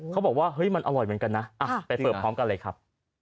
เขาบอกว่าเฮ้ยมันอร่อยเหมือนกันนะไปเสิร์ฟพร้อมกันเลยครับ